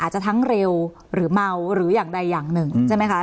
จะทั้งเร็วหรือเมาหรืออย่างใดอย่างหนึ่งใช่ไหมคะ